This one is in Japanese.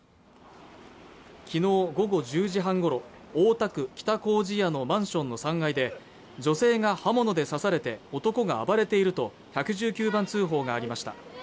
昨日午後１０時半ごろ大田区北糀谷のマンションの３階で女性が刃物で刺されて男が暴れていると１１９番通報がありました